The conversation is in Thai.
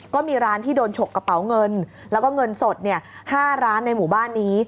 ก็มีร้านที่โดนฉกกระเป๋าเงินแล้วก็เงินสด๕ร้านในหมู่บ้านนี้